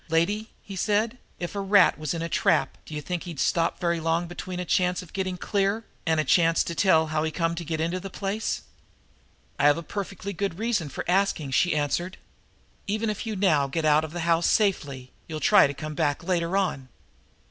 "Lady," he said, "if a rat was in a trap d'you think he'd stop very long between a chance of getting clear and a chance to tell how he come to get into the place?" "I have a perfectly good reason for asking," she answered. "Even if you now get out of the house safely you'll try to come back later on."